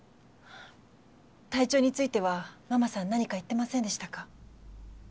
体調についてはママさん何か言ってませんでしたか？